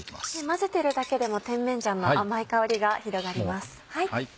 混ぜてるだけでも甜麺醤の甘い香りが広がります。